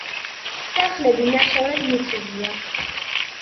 სახლები ნახევრად მიწურია.